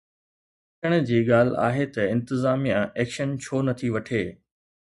سوچڻ جي ڳالهه آهي ته انتظاميه ايڪشن ڇو نٿي وٺي؟